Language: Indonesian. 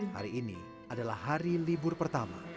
hari ini adalah hari libur pertama